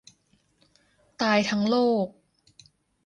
ตายทั้งโลก